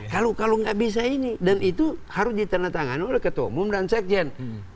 kalau nggak bisa ini dan itu harus ditandatangani oleh ketua umum dan sekjen